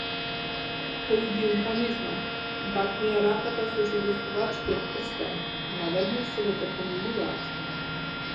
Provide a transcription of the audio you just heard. Пријди им понизно, бакни ја раката со жигосувачкиот прстен, наведни се да те помилуваат.